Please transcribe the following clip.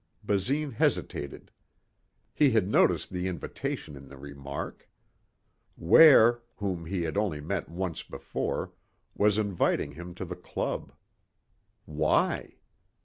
Basine hesitated. He had noticed the invitation in the remark. Ware, whom he had only met once before, was inviting him to the club. Why?